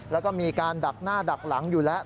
แล้วก็มีการดักหน้าดักหลังอยู่แล้ว